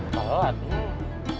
gak tau nih